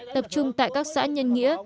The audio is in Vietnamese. tập trung tại các xã nhân nghĩa